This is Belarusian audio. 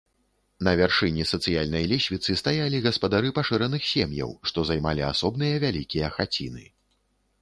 На вяршыні сацыяльнай лесвіцы стаялі гаспадары пашыраных сем'яў, што займалі асобныя вялікія хаціны.